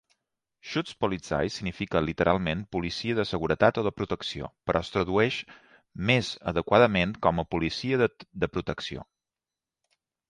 "Schutzpolizei" significa literalment policia de seguretat o de protecció, però es tradueix més adequadament com a policia de protecció.